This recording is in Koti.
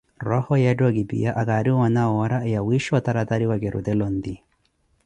Rooho yetta okipiya, akariwoona woora wa wiisha otaratariwa kurutela onti.